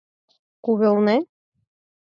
Кувелне?